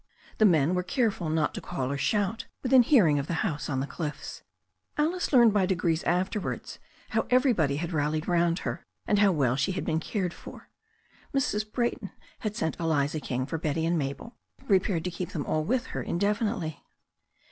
The men were care ful not to call or shout within hearing of the house on the cliffs. Alice learned by degrees afterwards how everybody had rallied round her, and how well she had been cared for. Mrs. Brayton had sent Eliza King for Betty and Mabel, prepared to keep them all with her indefinitely.